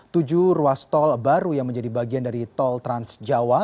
tujuh ruas tol baru yang menjadi bagian dari tol trans jawa